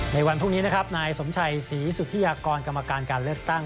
ในวันพรุ่งนี้นะครับนายสมชัยศรีสุธิยากรกรรมการการเลือกตั้ง